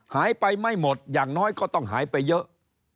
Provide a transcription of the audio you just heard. หายไปไม่หมดอย่างน้อยก็ต้องหายไปเยอะ